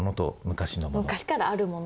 昔からあるもの。